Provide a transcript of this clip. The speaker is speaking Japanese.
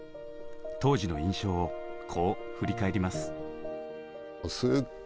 当時の印象をこう振り返ります。